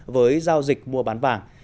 với giao dịch mua bán vàng